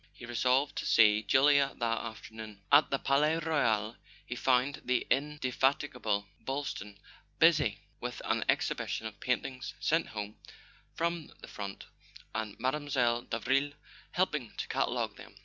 He resolved to see Julia that afternoon. At the Palais Royal he found the indefatigable Boyl ston busy with an exhibition of paintings sent home from the front, and Mile. Davril helping to catalogue them.